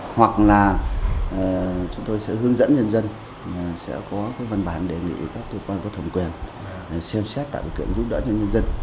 hoặc là chúng tôi sẽ hướng dẫn nhân dân sẽ có cái văn bản đề nghị các cơ quan có thẩm quyền xem xét tạo điều kiện giúp đỡ cho nhân dân